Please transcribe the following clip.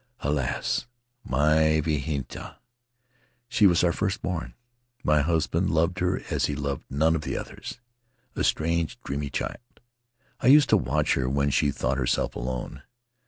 Alas, my Vahinetua! She was our first born; my husband loved her as he loved none of the others. A strange, dreamy child. ... I used to watch her when she thought herself alone.